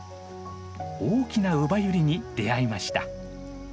大きなウバユリに出会いました。